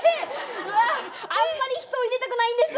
うわあんまり人を入れたくないんです。